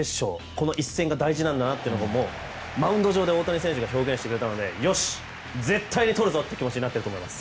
この一戦が大事なのかをマウンド上で大谷選手が表現してくれたのでよし、絶対取るぞっていう気持ちになってると思います。